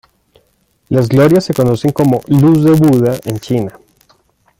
Las glorias se conocen como "Luz de Buda" en China.